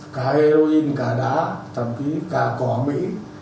cả heroin cả đá thậm chí cả cỏ mỹ